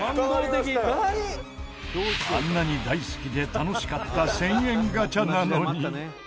あんなに大好きで楽しかった１０００円ガチャなのに。